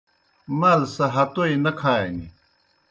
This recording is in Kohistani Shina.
مال سہ ہتوئی نہ کھانیْ۔